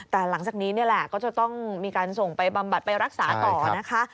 แต่หลังจากนี้นี่แหละก็จะต้องมีการส่งไปบำบัดไปรักษาต่อนะคะ